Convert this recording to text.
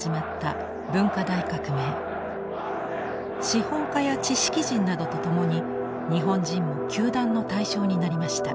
資本家や知識人などと共に日本人も糾弾の対象になりました。